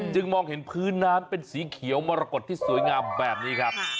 มองเห็นพื้นน้ำเป็นสีเขียวมรกฏที่สวยงามแบบนี้ครับ